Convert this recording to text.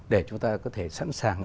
để chúng ta có thể sẵn sàng